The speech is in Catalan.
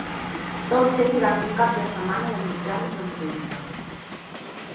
Sol ser durant un cap de setmana de mitjans de novembre.